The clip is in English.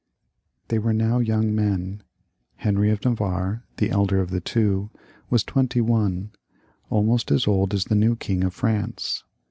They were no^ yoimg men; Henry of Navarre, the elder of the two, was twenty one, almost as old as the new King of France.